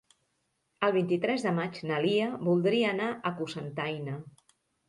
El vint-i-tres de maig na Lia voldria anar a Cocentaina.